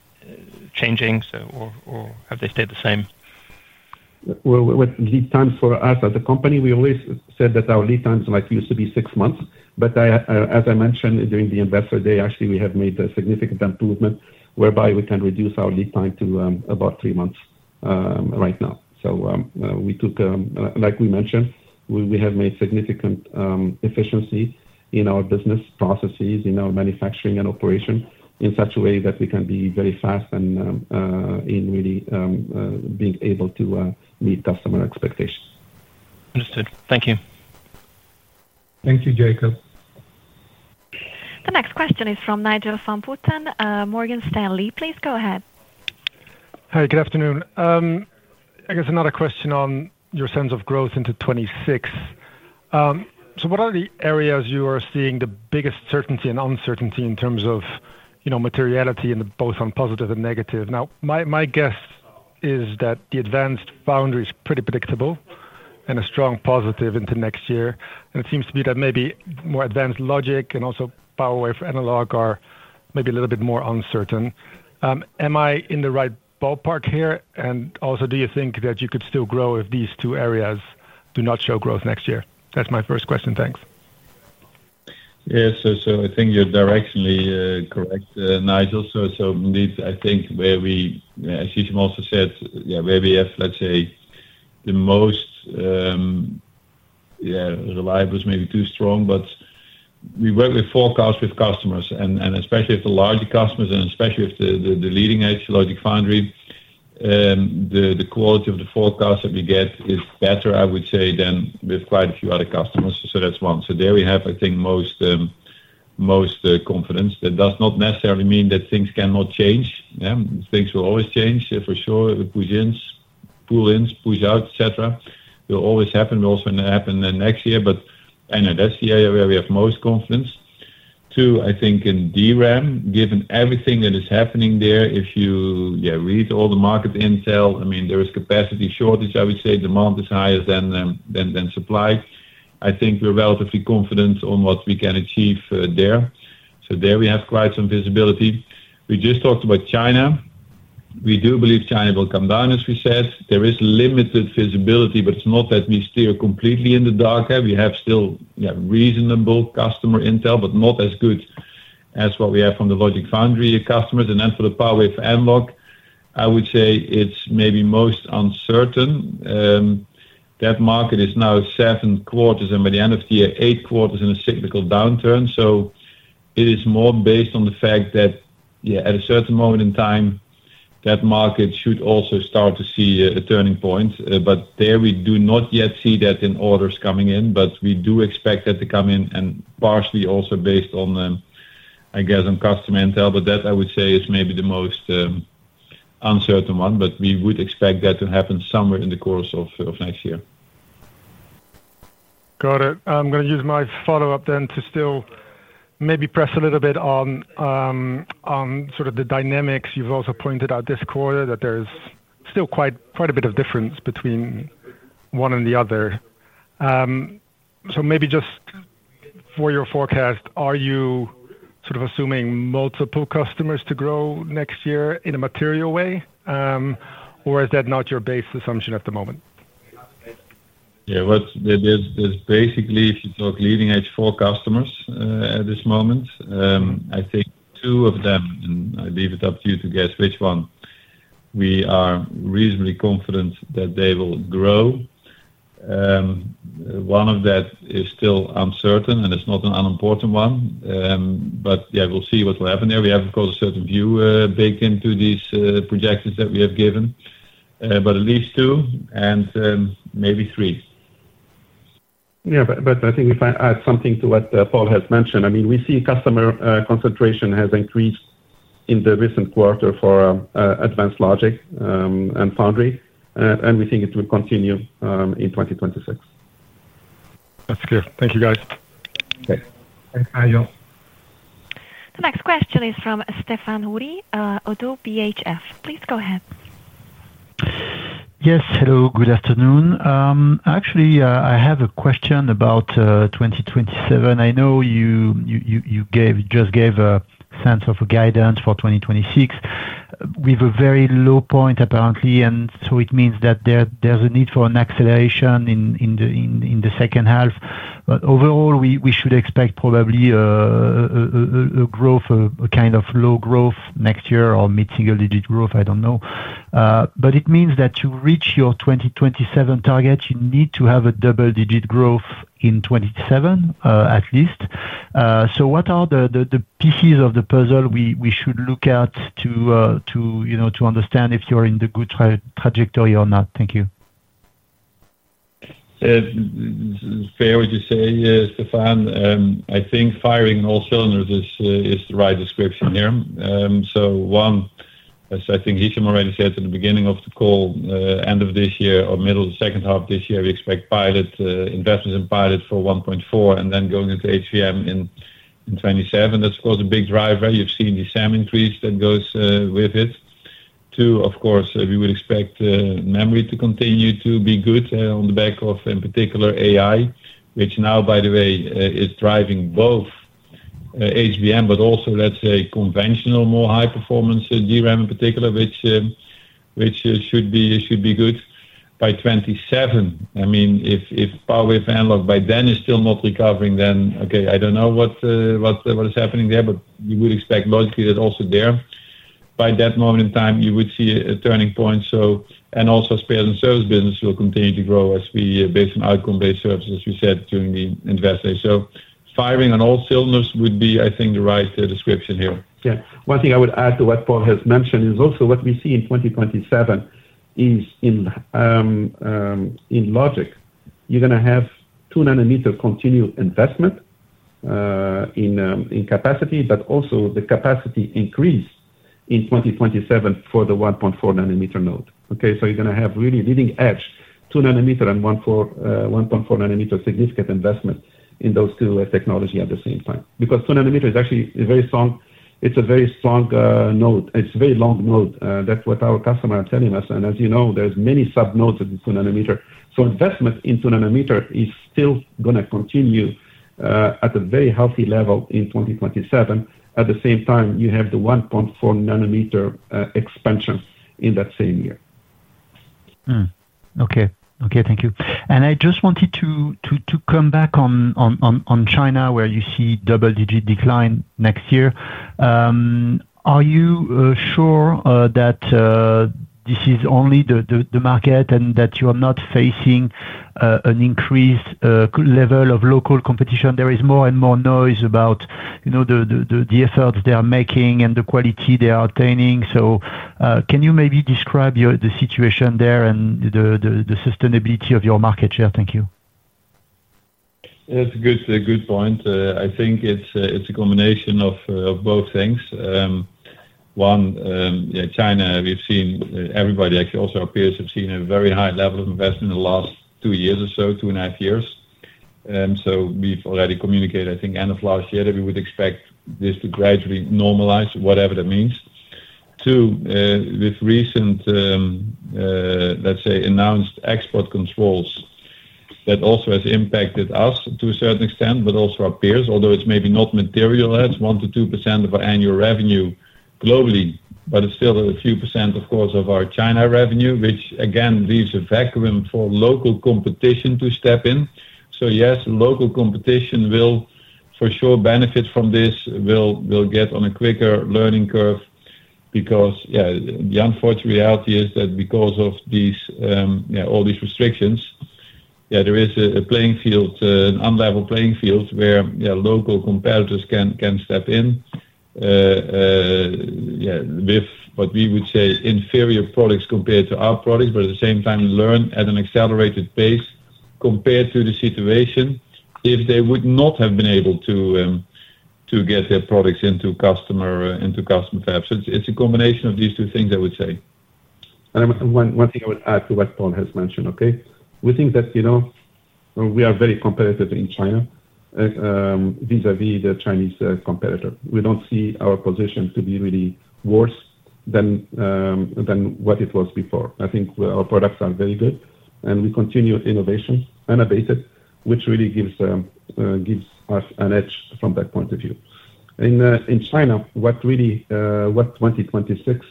changing or have they stayed the same? With lead times for us as a company, we always said that our lead times used to be six months, but as I mentioned during the Investor Day, actually we have made a significant improvement. Improvement whereby we can reduce our lead time to about three months right now. We have made significant efficiency in our business processes, in our manufacturing and operation in such a way that we can be very fast and really be able to meet customer expectations. Understood, thank you. Thank you, Jakob. The next question is from Nigel van Putten, Morgan Stanley. Please go ahead. Hi, good afternoon. I guess another question on your sense of growth into 2026. What are the areas you are seeing the biggest certainty and uncertainty in terms of materiality both on positive and negative? My guess is that the advanced foundry is pretty predictable and a strong positive into next year and it seems to be that maybe more advanced logic and also power/analog/wafer are maybe a little bit more uncertain. Am I in the right ballpark here? Do you think that you could still grow if these two areas do not show growth next year? That's my first question. Thanks. Yes. I think you're directionally correct, Nigel. I think where we, as said, where we have, let's say, the. Most. Reliable, maybe too strong, but we work with forecast with customers and especially if the larger customers and especially if the leading edge logic/foundry, the quality of the forecast that we get is better, I would say, than with quite a few other customers. That's one. There we have, I think, most confidence. That does not necessarily mean that things cannot change and things will always change for sure, etc. Will always happen, will happen next year. I know that's the area where we have most confidence. I think in DRAM, given everything that is happening there, if you read all the market intel, there is capacity shortage. I would say demand is higher than supply. I think we're relatively confident on what we can achieve there. There we have quite some visibility. We just talked about China. We do believe China will come down. As we said, there is limited visibility, but it's not that we steer completely in the dark. We have still reasonable customer intel, but not as good as what we have from the logic/foundry customers. For the power/analog/wafer, I would say it's maybe most uncertain. That market is now 7/4 and by the end of the year 8/4 in a cyclical downturn. It is more based on the fact that at a certain moment in time that market should also start to see a turning point. There we do not yet see that in orders coming in, but we do expect that to come in and partially also based on, I guess, on customer intel. That, I would say, is maybe the most uncertain one. We would expect that to happen somewhere in the course of next year. Got it. I'm going to use my follow up. To still maybe press a little bit on sort of the dynamics, you've also pointed out this quarter that there is still quite a bit of difference between one and the other. Maybe just for your forecast, are you sort of assuming multiple customers to grow next year in a material way, or is that not your base assumption at the moment? Yeah. What is basically, if you talk leading edge, four customers at this moment, I think two of them, and I leave it up to you to guess which one, we are reasonably confident that they will grow. One of that is still uncertain, and it's not an unimportant one, but yeah, we'll see what will happen there. We have of course a certain view baked into these predictions that we have given, but at least two and maybe three. Yeah, I think if I add something to what Paul has mentioned, I mean we see customer concentration has increased in the recent quarter for advanced logic/foundry, and we think it will continue in 2026. That's good. Thank you. Thanks, Nigel. The next question is from Stephane Houri, ODDO BHF. Please go ahead. Yes, hello, good afternoon. Actually, I have a question about 2027. I know you just gave a sense of guidance for 2026 with a very low point apparently. It means that there's a need for an acceleration in the second half, but overall we should expect probably a growth, a kind of low growth next year or mid single digit growth, I don't know. It means that to reach your 2027 target, you need to have a double digit growth in 2027 at least. What are the pieces of the puzzle we should look at to understand if you're in the good trajectory or not? Thank you. Fair would you say, Stephane? I think firing in all cylinders is the right description here. As I think he already said in the beginning of the call, end of this year or middle of the second half this year we expect pilot investments in pilot for 1.4 nm and then going into HVM in 2027. That's a big driver. You've seen the SAM increase that goes with it too. Of course, we would expect memory to continue to be good on the back of, in particular, AI which now, by the way, is driving both HBM but also, let's say, conventional more high performance DRAM in particular, which should be good by 2027. I mean, if power/analog/wafer by then is still not recovering, then okay, I don't know what is happening there, but you would expect logically that also there by that moment in time you would see a turning point and also spares and services business will continue to grow as we, based on outcome-based services, you said during the Investor Day. Firing on all cylinders would be, I think, the right description here. Yeah. One thing I would add to what Paul has mentioned is also what we see in 2027 is, in logic, you're going to have 2 nm continue investment in capacity, but also the capacity increase in 2027 for the 1.4 nm node. You're going to have really leading edge 2 nm and 1.4 nm, significant investment in those two technology at the same time. Because 2 nm is actually very strong. It's a very strong node, it's a very long node. That's what our customers are telling us. As you know, there's many sub nodes 2 nm. Investment into 2 nm is still going to continue at a very healthy level in 2027. At the same time, you have the 1.4 nm expansion in that same year. Thank you. I just wanted to come back on China where you see double digit decline next year. Are you sure that this is only the market and that you are not facing an increased level of local competition? There is more and more noise about the efforts they are making and the quality they are attaining. Can you maybe describe the situation there and the sustainability of your market share? Thank you. That's a good point. I think it's a combination of both things. One, China, we've seen everybody, actually also our peers, have seen a very high level of investment in the last two years or so, two and a half years. We've already communicated, I think end of last year, that we would expect this to gradually normalize, whatever that means. Two, with recent, let's say, announced export controls, that also has impacted us to a certain extent, but also our peers, although it's maybe not material. That's 1%-2% of our annual revenue globally, but it's still a few percent of our China revenue, which again leaves a vacuum for local competition to step in. Yes, local competition will for sure benefit from this, will get on a quicker learning curve because the unfortunate reality is that because of all these restrictions there is a playing field, an unlevel playing field, where local competitors can step in with what we would say are inferior products compared to our products, but at the same time learn at an accelerated pace compared to the situation if they would not have been able to get their products into customer fab. It's a combination of these two things, I would say. One thing I would add to what Paul has mentioned. We think that, you know, we are very competitive in China vis a vis the Chinese competitor. We don't see our position to be really worse than what it was before. I think where our products are very good and we continue innovation unabated, which really gives us an edge from that point of view in China. What 2026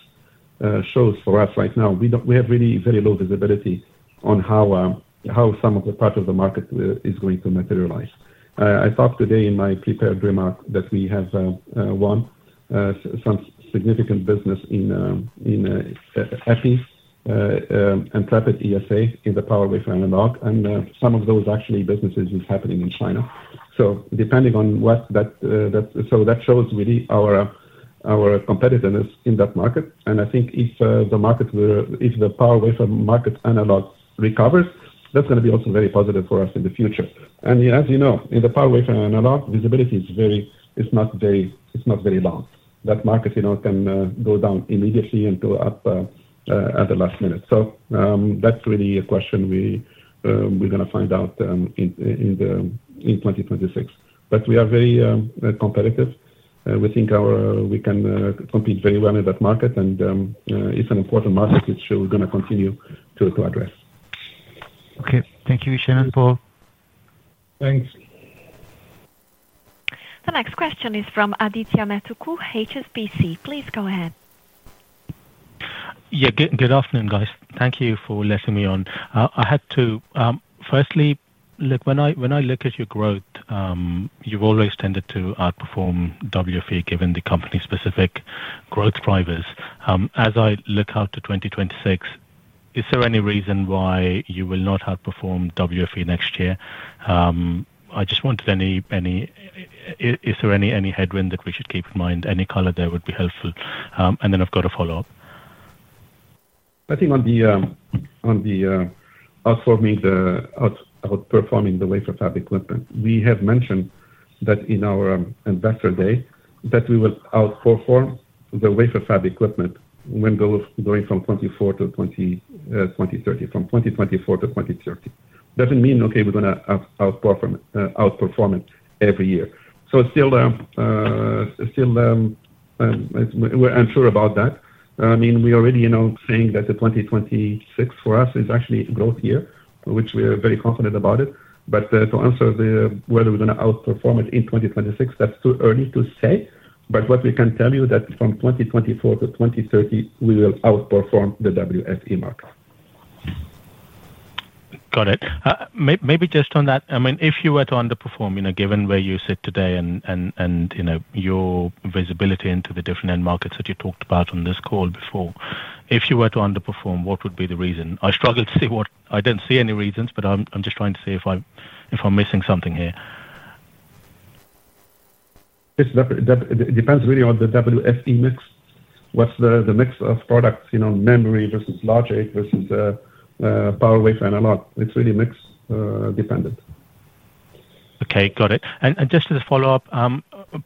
shows for us right now is we have really very low visibility on how some of the part of the market is going to materialize. I thought today in my prepared remark that we have won some significant business in Epi Intrepid ESA in the power/analog/wafer, and some of those businesses are actually happening in China. That shows really our competitiveness in that market. I think if the power wafer analog market recovers, that's going to be also very positive for us in the future. As you know, in the power, visibility is not very long. That market can go down immediately and go up at the last minute. That's really a question we're going to find out in 2026. We are very competitive. We think we can compete very well in that market, and it's an important market which we're going to continue to address. Thank you, Hichem and Paul. Thanks. The next question is from Adithya Metuku, HSBC. Please go ahead. Yeah, good afternoon guys. Thank you for letting me on. I had to firstly look, when I look at your growth, you've always tended to outperform WFE given the company specific growth drivers. As I look out to 2026, is there any reason why you will not outperform WFE next year? Is there any headwind that we should keep in mind? Any color there would be helpful. Then I've got a follow up. I think on the outperforming the wafer fab equipment, we have mentioned that in our Investor Day that we will outperform the wafer fab equipment when going from 2024-2030. From 2024-2030 doesn't mean we're going to outperform it every year. We're unsure about that. We are already saying that 2026 for us is actually a growth year, which we are very confident about. To answer whether we're going to outperform in 2026, that's too early to say. What we can tell you is that from 2024-2030, we will outperform the WFE market. Got it. Maybe just on that. I mean, if you were to underperform, given where you sit today and your visibility into the different end markets that you talked about on this call before, if you were to underperform, what would be the reason? I struggle to see what. I don't see any reasons, but I'm just trying to see if I'm missing something here. It depends really on the WFE mix. What's the mix of products? Memory versus logic versus power wafer, and a lot, it's really mix dependent. Okay, got it. Just as a follow up,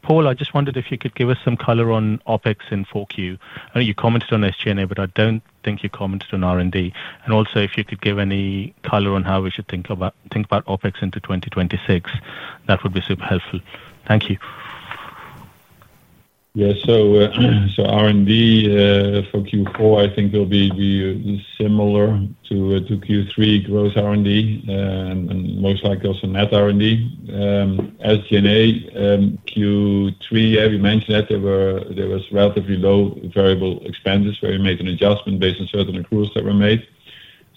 Paul, I just wondered if you could give us some color on OpEx in 4Q. I know you commented on SG&A, but I don't think you commented on R&D. Also, if you could give any color on how we should think about OpEx into 2026, that would be super helpful. Thank you. Yes, so R&D for Q4 I think will be similar to Q3, gross R&D and most likely also net R&D. SGA Q3, you mentioned that there was relatively low variable expenditures where we made an adjustment based on certain accruals that were made.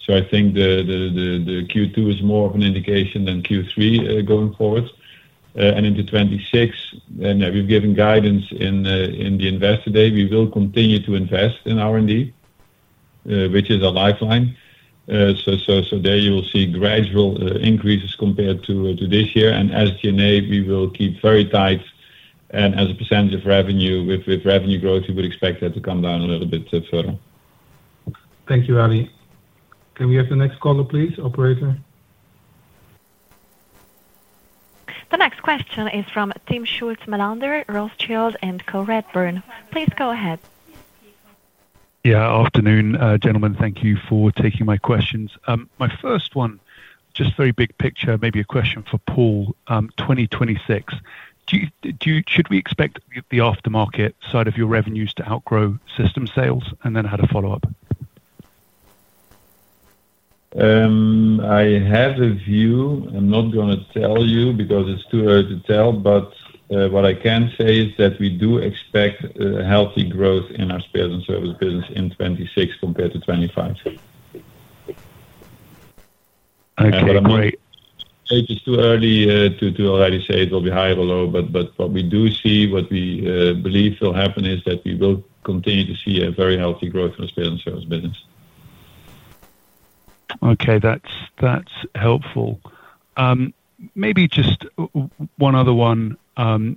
I think the Q2 is more of an indication than Q3 going forward and into 2026. We've given guidance in the Investor Day, we will continue to invest in R&D, which is a lifeline. There you will see gradual increases compared to this year. As you may, we will keep very tight and as a percentage of revenue, with revenue growth, you would expect that to come down a little bit. Thank you, Adi. Can we have the next caller please? Operator. The next question is from Timm Schulze-Melander, Rothschild & Co Redburn. Please go ahead. Yeah, afternoon gentlemen. Thank you for taking my questions. My first one, just very big picture. Maybe a question for Paul. 2026. Should we expect the aftermarket side of your revenues to outgrow system sales and then had a follow up? I have a view. I'm not going to tell you because it's too early to tell. What I can say is that we do expect healthy growth in our spares and services business in 2026 compared to 2025. Okay, great. It's too early to already say it will be high or low. What we do see, what we believe will happen is that we will continue to see a very healthy growth in ASM's service business. Okay, that's helpful. Maybe just one other one.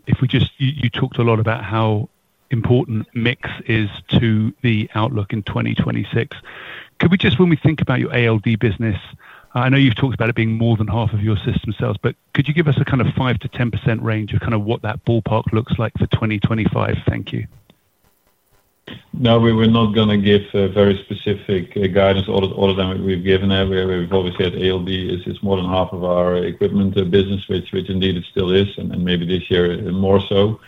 If we just, you talked a lot about how important mix is to the outlook in 2026, could we just, when we think about your ALD business, I know you've talked about it being more than half of your system sales, but could you give us a kind of 5%-10% range of kind of what that ballpark looks like for 2025? Thank you. No, we were not going to give very specific guidance. All of them we've given. We've always said ALD is more than half of our equipment business, which indeed it still is and maybe this year more so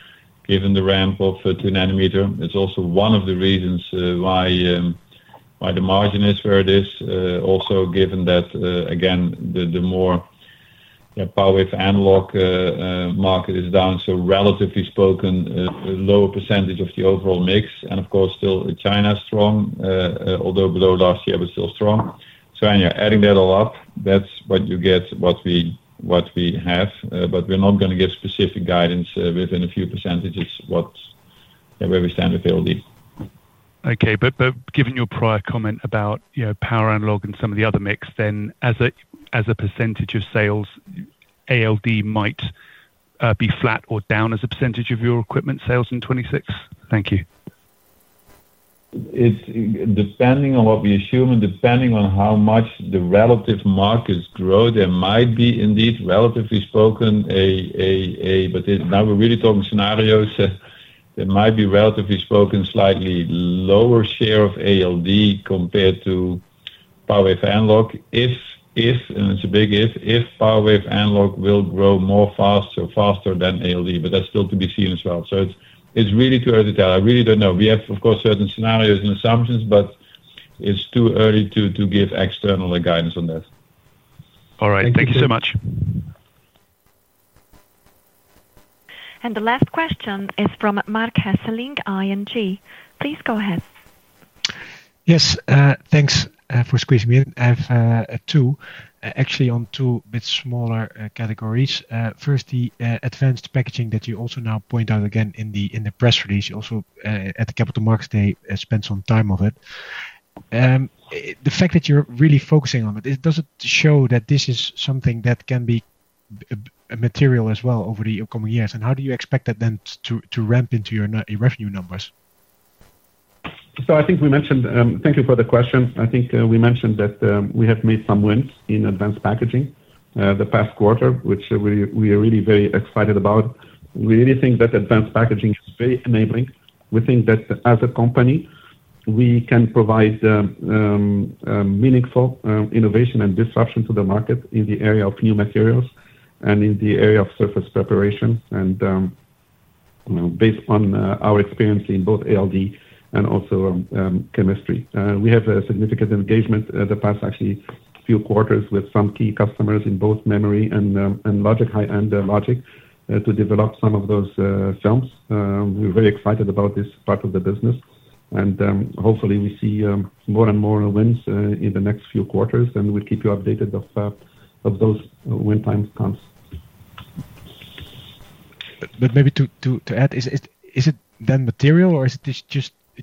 given the ramp of 2 nm. It's also one of the reasons why the margin is where it is. Also given that again the more power/analog/wafer market is down. Relatively spoken, lower percentage of the overall mix and of course still China strong, although below last year was still strong. When you're adding that all up, that's what you get what we have. We're not going to give specific guidance within a few percentage what we stand with it will be okay. Given your prior comment about power/analog and some of the other mix, as a percentage of sales, ALD might be flat or down as a percentage of your equipment sales in 2026. Thank you. It's depending on what we assume and depending on how much the relative markets grow, there might be indeed, relatively spoken. Now we're really talking scenarios, there might be, relatively spoken, slightly lower share of ALD compared to power/analog/wafer. If, and it's a big if, if power/analog/wafer will grow more, faster, faster than ALD. That's still to be seen as well. It's really too early to tell. I really don't know. We have, of course, certain scenarios and assumptions, but it's too early to give external guidance on this. All right, thank you so much. The last question is from Marc Hesselink, ING. Please go ahead. Yes, thanks for squeezing me in. I have two actually on two bit smaller categories. First, the advanced packaging that you also now point out again in the press release, also at the Capital Markets Day, spent some time of it. The fact that you're really focusing on it, does it show that this is something that can be material as well over the coming years and how do you expect that then to ramp into your revenue numbers? Thank you for the question. I think we mentioned that we have made some wins in advanced packaging the past quarter, which we are really very excited about. We really think that advanced packaging is very enabling. We think that as a company we can provide meaningful innovation and disruption to the market in the area of new materials and in the area of surface preparation. Based on our experience in both ALD and also chemistry, we have a significant engagement the past few quarters with some key customers in both memory and logic, high-end logic, to develop some of those films. We're very excited about this part of the business and hopefully we see more and more wins in the next few quarters and we'll keep you updated of those win times. Maybe to add, is it then material or is it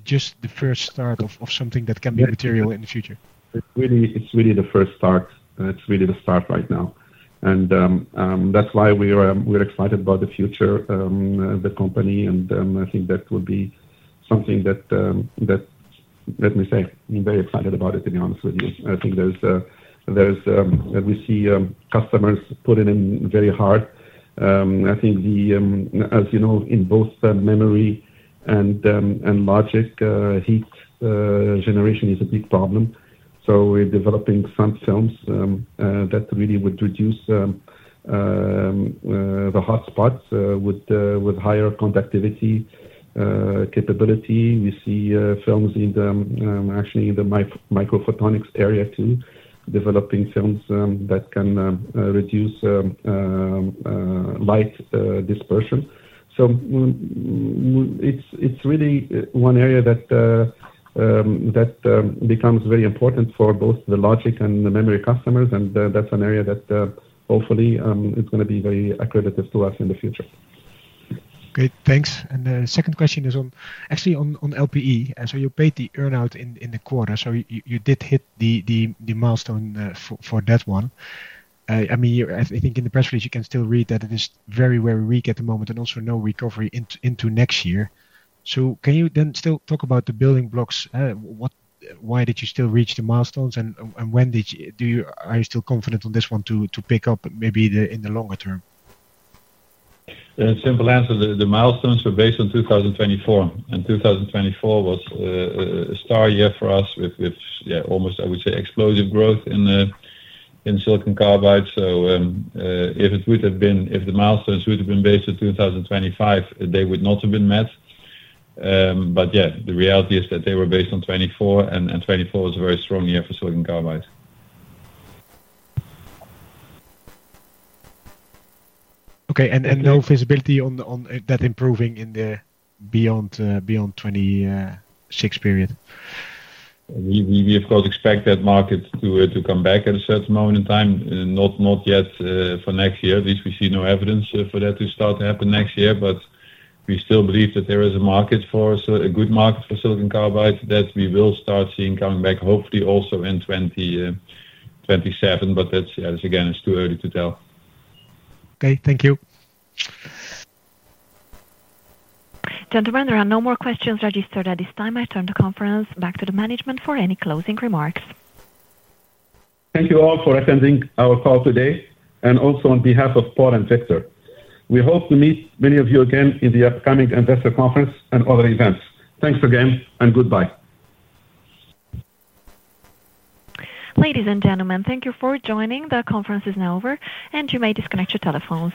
just the first start of something that can be material in the future? It's really the first start. It's really the start right now. That's why we're excited about the future of the company. I think that would be something that, let me say, very excited about it. To be honest with you, I think there's, there's, we see customers putting in very hard. I think, as you know, in both memory and logic, heat generation is a big problem. We're developing some films that really would reduce the hotspots with higher conductivity capability. We see films in them actually in the microphotonics area too, developing films that can reduce light dispersion. It's really one area that becomes very important for both the logic and the memory customers. That's an area that hopefully is going to be very accredited to us in the future. Great, thanks. The second question is actually on LPE. You paid the earn out in the quarter, so you did hit the milestone for that one. I mean, I think in the press release you can still read that it is very, very weak at the moment and also no recovery into next year. Can you then still talk about the building blocks? Why did you still reach the milestones and when did, are you still confident on this one to pick up? Maybe in the longer term. Simple answer. The milestones were based on 2024, and 2024 was a star year for us with almost, I would say, explosive growth in silicon carbide. If the milestones would have been based in 2025, they would not have been met. The reality is that they were based on 2024, and 2024 was a very strong year for silicon carbide. Okay. No feasibility on that improving in the beyond 2026 period. We of course expect that market to come back at a certain moment in time, not yet. For next year at least, we see no evidence for that to start to happen next year. We still believe that there is a market, a good market for silicon carbide, that we will start seeing coming back, hopefully also in 2027. Again, it's too early to tell. Okay, thank you. Gentlemen. There are no more questions registered at this time. I turn the conference back to the management for any closing remarks. Thank you all for attending our call today. Also, on behalf of Paul and Victor, we hope to meet many of you again in the upcoming investor conference and other events. Thanks again and goodbye. Ladies and gentlemen. Thank you for joining. The conference is now over and you may disconnect your telephones.